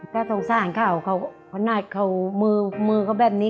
ก็สงสารเขาเขาหน้าเขามือมือเขาแบบนี้